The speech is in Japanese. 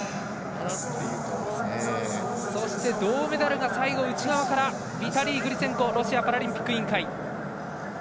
そして銅メダルが最後、内側からビタリー・グリツェンコロシアパラリンピック委員会。